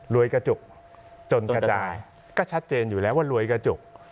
กระจกจนกระจายก็ชัดเจนอยู่แล้วว่ารวยกระจก